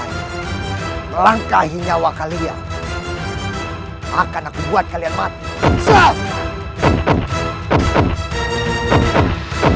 jangan harap kau bisa menggedah rumah kami